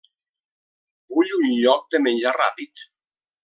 Vull un lloc de menjar ràpid.